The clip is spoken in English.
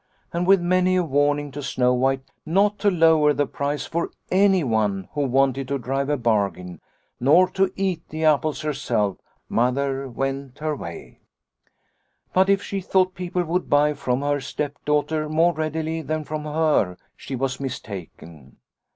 And with many a warning to Snow White not to lower the price for any one who wanted to drive a bargain, nor to eat the apples herself, Mother went her way. 7 6 Liliecrona's Home " But if she thought people would buy from her stepdaughter more readily than from her she was mistaken.